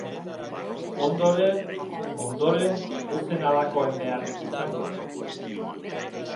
Ondoren..., ondoren, ez zen halakoen beharrik izango.